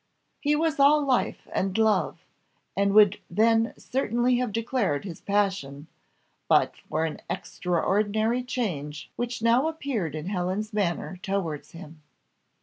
He was all life and love, and would then certainly have declared his passion, but for an extraordinary change which now appeared in Helen's manner towards him.